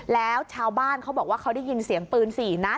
แล้วชาวบ้านเขาบอกว่าเขาได้ยินเสียงปืน๔นัด